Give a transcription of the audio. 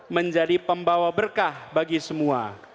menjadi pembawa berkah bagi semua